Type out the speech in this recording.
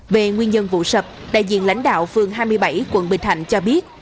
về nguyên nhân vụ sập đại diện lãnh đạo phường hai mươi bảy quận bình thạnh cho biết